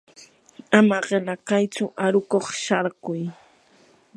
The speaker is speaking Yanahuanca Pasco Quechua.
ama qila kaytsu aruqkuq sharkuy.